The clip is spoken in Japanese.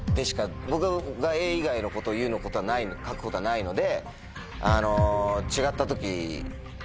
僕がＡ以外のことを書くことはないので。